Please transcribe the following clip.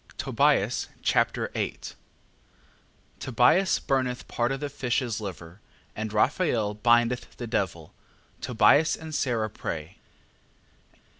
Tobias Chapter 8 Tobias burneth part of the fish's liver, and Raphael bindeth the devil. Tobias and Sara pray.